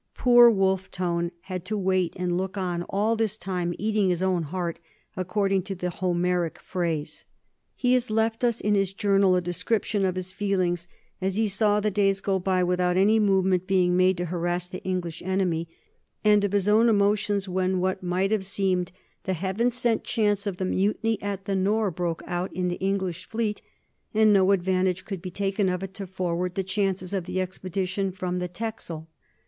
Poor Wolfe Tone had to wait and look on all this time, eating his own heart, according to the Homeric phrase. He has left us in his journal a description of his feelings as he saw the days go by without any movement being made to harass the English enemy, and of his own emotions when what might have seemed the heaven sent chance of the mutiny at the Nore broke out in the English fleet and no advantage could be taken of it to forward the chances of the expedition from the Texel.